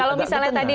kalau misalnya tadi